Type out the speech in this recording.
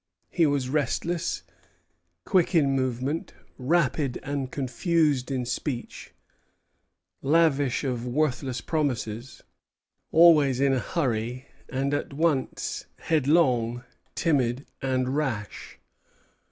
He was restless, quick in movement, rapid and confused in speech, lavish of worthless promises, always in a hurry, and at once headlong, timid, and rash.